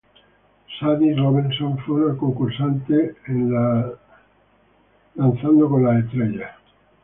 Sadie Robertson fue una concursante en la de "Dancing with the Stars".